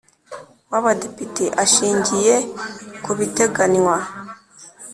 W abadepite ashingiye ku biteganywa